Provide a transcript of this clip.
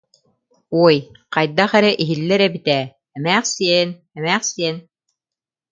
Уой, хайдах эрэ иһиллэр эбит ээ, «эмээхсиэн, эмээхсиэн»